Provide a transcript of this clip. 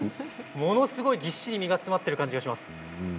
ものすごいぎっしり身が詰まっている感じがいたします。